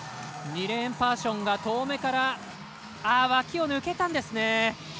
ニレーンパーション遠めから脇を抜けたんですね。